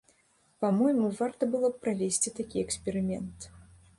Па-мойму, варта было б правесці такі эксперымент.